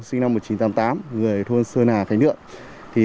sinh năm một nghìn chín trăm tám mươi tám người thôn sơn hà khánh thượng